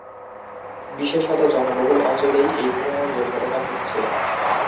বিশেষত জনবহুল অঞ্চলেই এই ধরনের দুর্ঘটনা ঘটছে।